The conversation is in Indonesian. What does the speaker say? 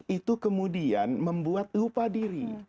itu kemudian membuat lupa diri